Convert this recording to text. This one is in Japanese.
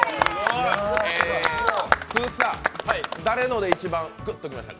鈴木さん、誰ので一番グッときました？